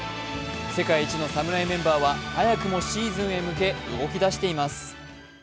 世界一の侍メンバーは早くもシーズンへ向け、動き出しています。